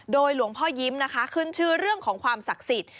โดยหลวงพ่อยิ้มนะคะขึ้นชื่อเรื่องของความศักดิ์สิทธิ์